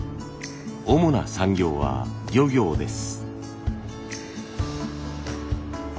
主な産業は漁業です。